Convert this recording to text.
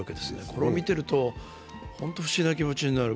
これを見ていると本当に不思議な気持ちになる。